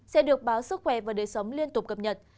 sẽ được báo sức khỏe và đời sống liên tục cập nhật